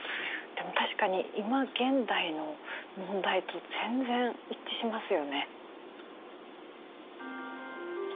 でも確かに今現代の問題と全然一致しますよね。